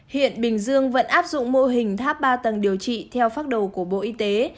hiện bình dương vẫn áp dụng mô hình tháp ba tầng điều trị theo phác đồ của bộ y tế